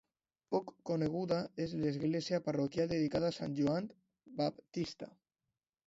Poc coneguda és l'església parroquial dedicada a Sant Joan Baptista.